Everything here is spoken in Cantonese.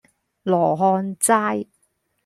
羅漢齋